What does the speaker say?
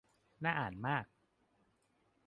น่าอ่านมาก